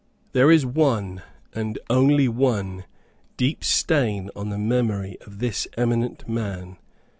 There is one and only one deep stain on the memory of this eminent man.